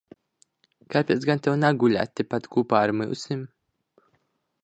Kāpēc gan tev negulēt tepat kopā ar mums?